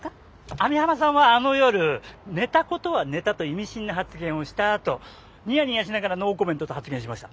網浜さんはあの夜「寝たことは寝た」と意味深な発言をしたあとニヤニヤしながら「ノーコメント」と発言しました。